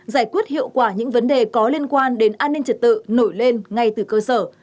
giải quyết hiệu quả những vấn đề có liên quan đến an ninh trật tự nổi lên ngay từ cơ sở